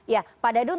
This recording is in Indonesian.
ya pak dadun